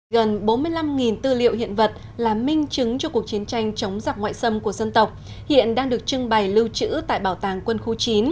gần bốn mươi năm tư liệu hiện vật là minh chứng cho cuộc chiến tranh chống giặc ngoại xâm của dân tộc hiện đang được trưng bày lưu trữ tại bảo tàng quân khu chín